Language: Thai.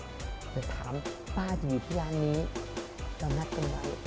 เดี๋ยวถามป้าที่อยู่ที่ร้านนี้เรานัดกันไว้